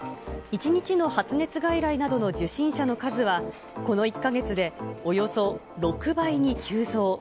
１日の発熱外来などの受診者の数は、この１か月でおよそ６倍に急増。